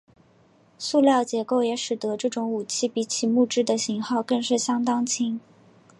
塑料结构也使得这种武器比起木制的型号更是相当轻。